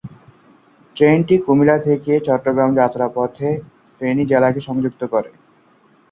ট্রেনটি কুমিল্লা থেকে চট্টগ্রাম যাত্রাপথে ফেনী জেলাকে সংযুক্ত করে।